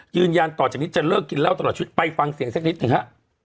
ยืนยันต่อจากนี้จะเลิกกินเหล้าตลอดชีวิตไปฟังเสียงสักนิดหนึ่งฮะ